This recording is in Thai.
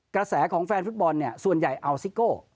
กระแสของแฟนฟุตบอลเนี่ยส่วนใหญ่อัลซิโก้